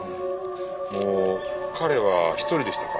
あの彼は一人でしたか？